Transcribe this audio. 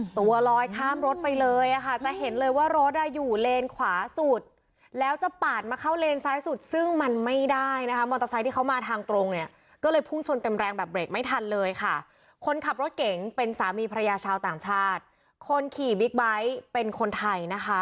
ตัวลอยข้ามรถไปเลยอ่ะค่ะจะเห็นเลยว่ารถอ่ะอยู่เลนขวาสุดแล้วจะปาดมาเข้าเลนซ้ายสุดซึ่งมันไม่ได้นะคะมอเตอร์ไซค์ที่เขามาทางตรงเนี่ยก็เลยพุ่งชนเต็มแรงแบบเบรกไม่ทันเลยค่ะคนขับรถเก๋งเป็นสามีภรรยาชาวต่างชาติคนขี่บิ๊กไบท์เป็นคนไทยนะคะ